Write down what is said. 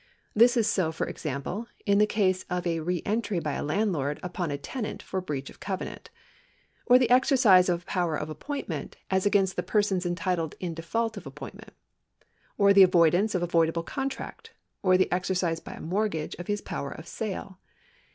This is so, for example, in the case of a re entry by a landlord upon a tenant for breach of covenant ; or the exercise of a power of appointment, as against the persons entitled in default of appointment ; or the avoidance of a voidable contract ; or the exercise by a mortgagee of his power of sale.